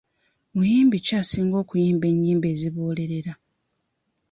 Muyimbi ki asinga okuyimba ennyimba ezibuulirira?